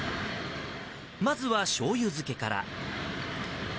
まずはしょうゆ漬けから。